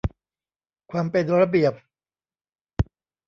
ความเป็นระเบียบ